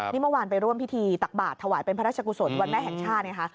นี่เมื่อวานไปร่วมพิธีตักบาทถวายเป็นพระราชกุศลวันแม่แห่งชาติไงคะ